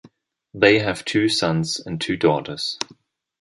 They have two sons and two daughters.